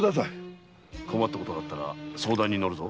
困ったことがあったら相談にのるぞ。